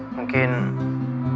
mungkin gue pindah sekolah di sini